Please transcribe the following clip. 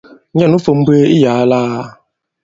Nyɛ nū fȏm m̀mbwēē iyàa lāā.